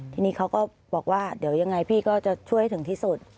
ทีนี้เขาก็บอกว่าเดี๋ยวยังไงพี่ก็จะช่วยให้ถึงที่สุด